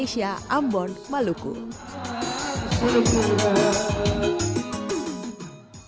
kampung kamiri sebagai kampung taburan